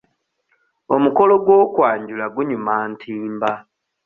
Omukolo gw'okwanjula gunyuma ntimba.